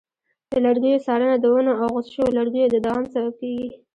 د لرګیو څارنه د ونو او غوڅ شویو لرګیو د دوام سبب کېږي.